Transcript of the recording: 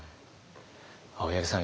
青柳さん